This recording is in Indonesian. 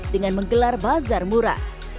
dengan menggelar bazar mura